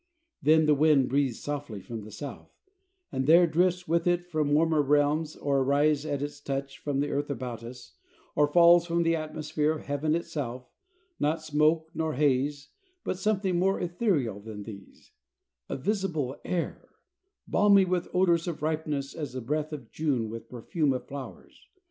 Then the wind breathes softly from the south, and there drifts with it from warmer realms, or arises at its touch from the earth about us, or falls from the atmosphere of heaven itself, not smoke, nor haze, but something more ethereal than these: a visible air, balmy with odors of ripeness as the breath of June with perfume of flowers.